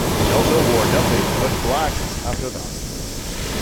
Delta wore nothing but black after that.